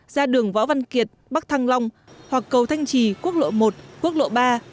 ra đường võ văn kiệt bắc thăng long hoặc cầu thanh trì quốc lộ một quốc lộ ba